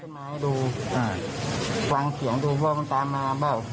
คะว่างเสียงดูเข้ามันตามน่ะเบ้ย